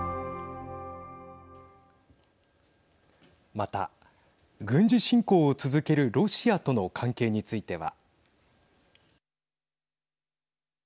また、軍事侵攻を続けるロシアとの関係については。